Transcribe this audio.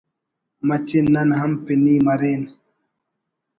مچے نن ہم پنی مرین